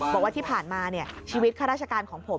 บอกว่าที่ผ่านมาชีวิตข้าราชการของผม